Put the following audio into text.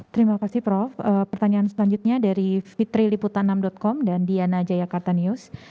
terima kasih prof pertanyaan selanjutnya dari fitri liputanam com dan diana jayakarta news